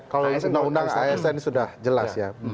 kalau undang undang asn sudah jelas ya